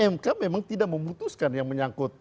mk memang tidak memutuskan yang menyangkut